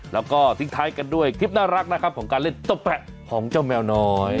แล้วก็ทิ้งท้ายกันด้วยคลิปน่ารักนะครับของการเล่นตะแปะของเจ้าแมวน้อย